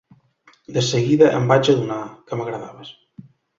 De seguida em vaig adonar que m'agradaves.